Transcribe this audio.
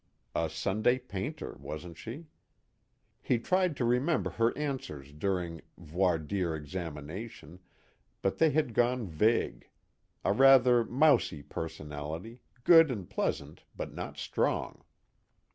A Sunday painter, wasn't she? he tried to remember her answers during voir dire examination, but they had gone vague: a rather mousy personality, good and pleasant but not strong.